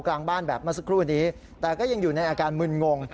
กลางบ้านแบบเมื่อสักครู่นี้แต่ก็ยังอยู่ในอาการมึนงง